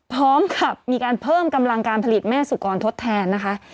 พร้อมกับมีการเพิ่มกำลังการผลิตแม่สุกรทดแทนนะคะ